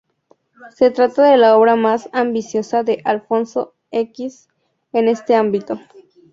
Se trata de la obra más ambiciosa de Alfonso X en este ámbito.